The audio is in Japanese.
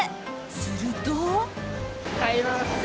すると。